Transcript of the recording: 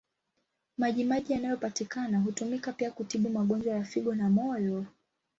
Maji maji yanayopatikana hutumika pia kutibu magonjwa ya figo na moyo.